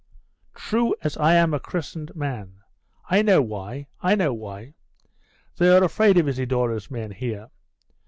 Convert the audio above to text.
'True, as I am a christened man. I know why I know why: they are afraid of Isidore's men here....